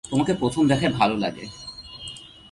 তোমাকে প্রথম দেখায় ভাল লাগে।